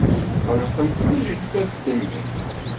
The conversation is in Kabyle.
Ɣelqent tajellabt-nni.